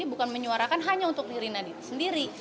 ini bukan menyuarakan hanya untuk nirina sendiri